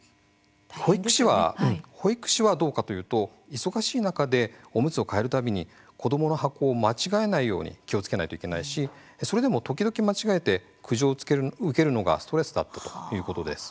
保育士はどうかというと忙しい中でおむつを替えるたびに子どもの箱を間違えないように気をつけないといけないしそれでも時々、間違えて苦情を受けるのがストレスだったということです。